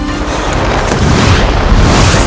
aku harus membantu